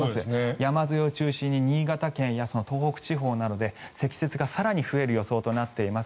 山沿いを中心に新潟県や東北地方などで積雪が更に増える予想となっています。